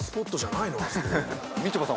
みちょぱさん